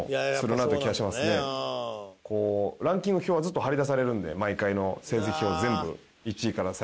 ランキング表はずっと貼り出されるんで毎回の成績表全部１位から最下位まで。